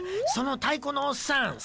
その太鼓のおっさん